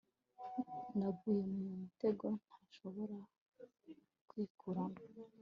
naguye mu mutego ntashoboraga kwikuramo